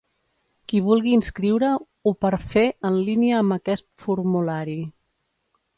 Qui vulgui inscriure ho per fer en línia amb aquest formulari.